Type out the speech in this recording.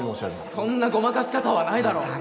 そんなごまかし方はないだろ